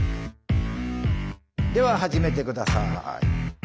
では始めて下さい。